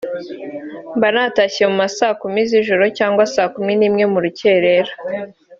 mba natashye mu ma saa kumi z’ijoro cyangwa saa kumi n’imwe mu rukerera